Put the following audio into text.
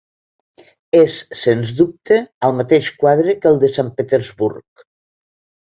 És, sens dubte, el mateix quadre que el de Sant Petersburg.